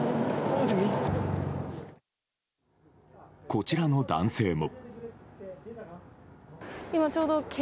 こちらの男性も。